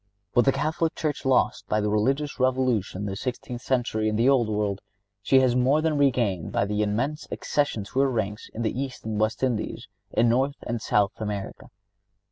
(67) What the Catholic Church lost by the religious revolution of the sixteenth century in the old world she has more than regained by the immense accessions to her ranks in the East and West Indies, in North and South America.